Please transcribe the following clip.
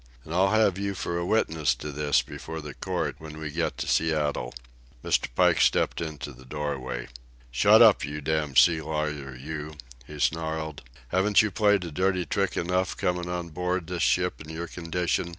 And I'll have you for a witness to this before the court when we get to Seattle." Mr. Pike stepped into the doorway. "Shut up, you damned sea lawyer, you," he snarled. "Haven't you played a dirty trick enough comin' on board this ship in your condition?